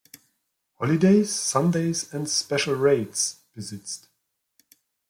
Holidays, Sundays and Special Rates" besitzt.